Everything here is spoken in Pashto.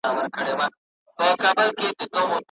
کتاب ليکي چي رنسانس په اروپا کي زيات بدلونونه راوستل.